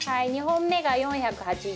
２本目が４８０。